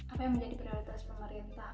apa yang menjadi prioritas pemerintah